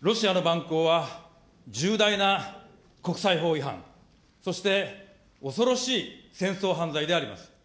ロシアの蛮行は重大な国際法違反、そして恐ろしい戦争犯罪であります。